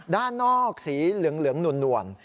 ด้านนอกสีเหลืองหนวล